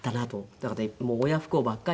だから親不孝ばっかり。